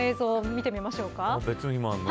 見てみましょうか。